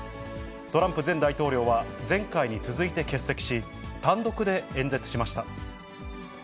トランプ前大統領は、前回に続いて欠席し、単独で演説しました。